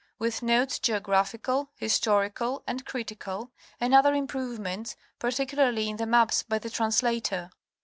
With notes geographical, historical and critical, and other improvements, particularly in the maps, by the Translator."